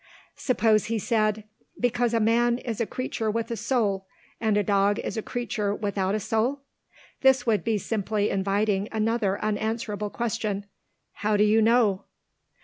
Suppose he said, Because a man is a creature with a soul, and a dog is a creature without a soul? This would be simply inviting another unanswerable question: How do you know?